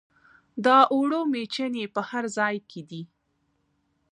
د اوړو میچنې په هر ځای کې دي.